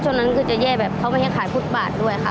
ชนนั้นจะแย่เขาไม่ให้ขายพุธบาทด้วยค่ะ